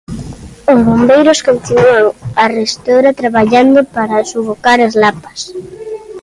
Os bombeiros continúan arestora traballando para sufocar as lapas.